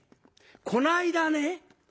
こないだね